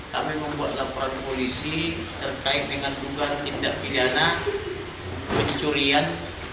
kami membuat laporan polisi terkait dengan dugaan tindak pidana pencurian